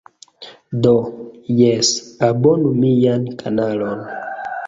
Do, jes, abonu mian kanalon.